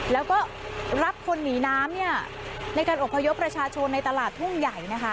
แล้วก็รับคนหนีน้ำเนี่ยในการอบพยพประชาชนในตลาดทุ่งใหญ่นะคะ